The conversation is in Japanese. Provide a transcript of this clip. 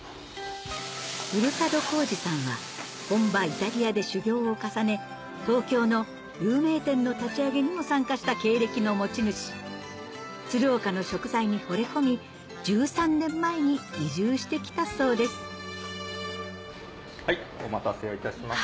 古門浩二さんは本場イタリアで修業を重ね東京の有名店の立ち上げにも参加した経歴の持ち主鶴岡の食材にほれ込み１３年前に移住して来たそうですお待たせいたしました。